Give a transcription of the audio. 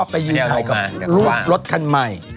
ไปยืนถ่ายกับรถคันใหม่